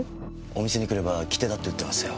お店に来れば切手だって売ってますよ。